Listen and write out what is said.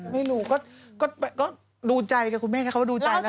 ไม่รู้ก็ดูใจกับคุณแม่เขาว่าดูใจแล้วกัน